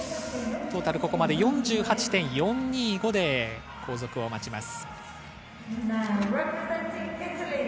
ここまで４８．４２５で後続を待ちます。